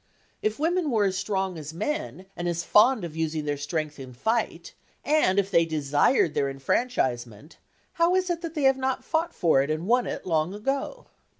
If women were as strong as men and as fond of using their strength in fight, and if they desired their enfranchisement, how is it that they have not fought for it and won it long ago?